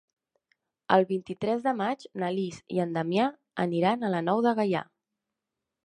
El vint-i-tres de maig na Lis i en Damià aniran a la Nou de Gaià.